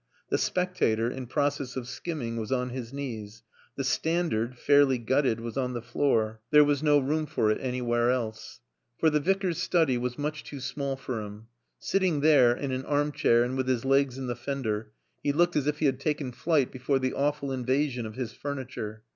The Spectator, in process of skimming, was on his knees. The Standard, fairly gutted, was on the floor. There was no room for it anywhere else. For the Vicar's study was much too small for him. Sitting there, in an arm chair and with his legs in the fender, he looked as if he had taken flight before the awful invasion of his furniture.